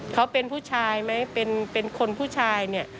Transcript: เขาเป็นผู้ชายไหมเป็นคนผู้ชายเนี่ย